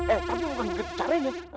eh tapi lo kan gede caranya